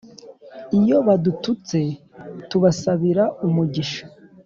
Iyo badututse tubasabira umugisha